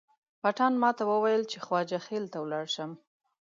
پټان ماته وویل چې خواجه خیل ته ولاړ شم.